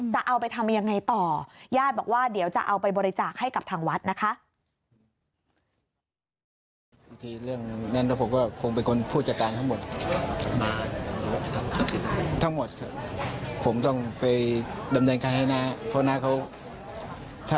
จะเอาไปทำยังไงต่อญาติบอกว่าเดี๋ยวจะเอาไปบริจาคให้กับทางวัดนะคะ